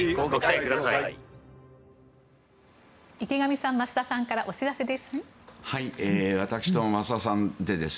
池上さん、増田さんからお知らせです。